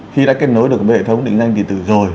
khi đã kết nối được hệ thống định danh điện tử rồi